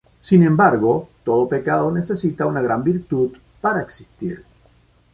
Sin embargo todo pecado necesita una gran virtud para existir.